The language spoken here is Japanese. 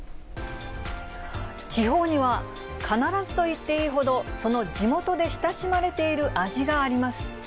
地方には必ずといっていいほど、その地元で親しまれている味があります。